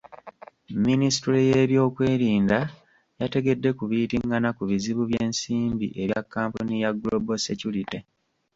Minisitule y'ebyokwerinda yategedde ku biyitingana ku bizibu by'ensimbi ebya kkampuni ya Global Security.